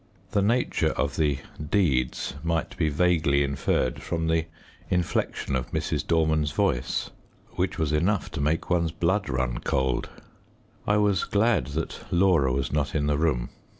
The nature of the "deeds" might be vaguely inferred from the inflection of Mrs. Dorman's voice which was enough to make one's blood run cold. I was glad that Laura was not in the room.